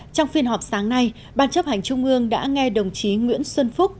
trong phiên họp sáng nay ban chấp hành trung ương đã nghe đồng chí nguyễn xuân phúc